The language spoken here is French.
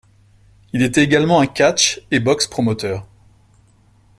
Il était également un catch et box promoteur.